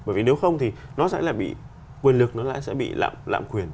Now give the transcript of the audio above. bởi vì nếu không thì nó sẽ là bị quyền lực nó lại sẽ bị lạm quyền